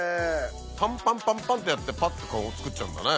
パンパンパンパンってやってパッとカゴ作っちゃうんだね。